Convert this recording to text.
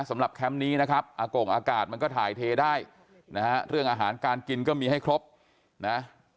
แคมป์นี้นะครับอากงอากาศมันก็ถ่ายเทได้นะฮะเรื่องอาหารการกินก็มีให้ครบนะ